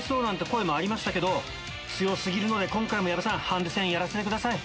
声もありましたけど強過ぎるので今回も矢部さんハンデ戦やらせてください。